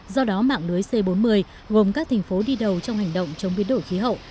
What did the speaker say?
do đó mạng lưới c bốn mươi gồm các thành phố đi đầu trong hành động chống biến đổi khí hậu